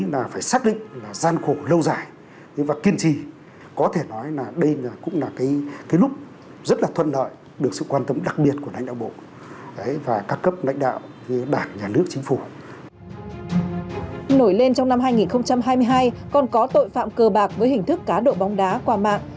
nổi lên trong năm hai nghìn hai mươi hai còn có tội phạm cơ bạc với hình thức cá độ bóng đá qua mạng